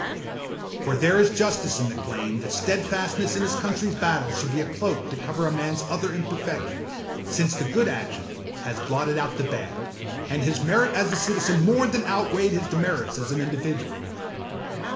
For there is justice in the claim that steadfastness in his countryâs battles should be as a cloak to cover a manâs other imperfections; since the good action has blotted out the bad, and his merit as a citizen more than outweighed his demerits as an individual.